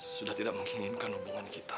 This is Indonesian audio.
sudah tidak menginginkan hubungan kita